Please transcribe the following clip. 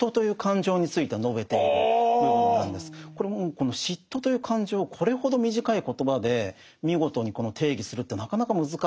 この嫉妬という感情をこれほど短い言葉で見事に定義するってなかなか難しいと思うんですね。